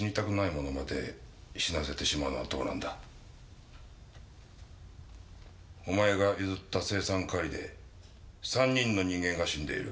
お前が譲った青酸カリで３人の人間が死んでいる。